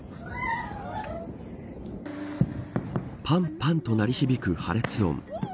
パンパンと鳴り響く破裂音。